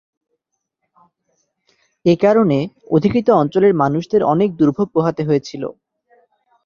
এ কারণে অধিকৃত অঞ্চলের মানুষদের অনেক দুর্ভোগ পোহাতে হয়েছিল।